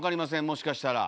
もしかしたら。